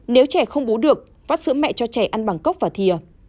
nếu trẻ không bú được vắt sữa mẹ cho trẻ ăn bằng cốc và thiều